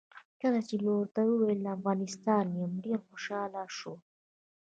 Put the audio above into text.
کله چې مې ورته وویل د افغانستان یم ډېر خوشاله شو.